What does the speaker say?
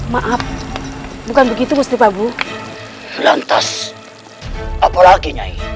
maaf bukan begitu musti pabu lantas apalagi